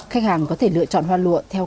khách hàng có thể lựa chọn hoa lụa theo